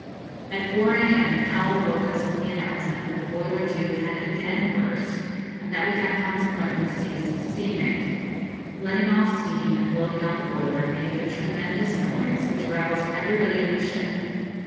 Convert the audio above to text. At four a.m. Powell woke us with the announcement that the boiler tube had again burst, and that we had consequently ceased steaming. Letting off steam, and blowing out the boiler, made a tremendous noise, which aroused everybody in the ship.